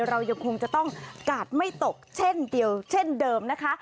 เรายังคงจะต้องกาดไม่ตกเช่นเดียวเช่นเดิมนะคะ